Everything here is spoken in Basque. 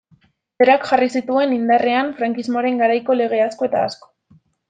Berak jarri zituen indarrean frankismoaren garaiko lege asko eta asko.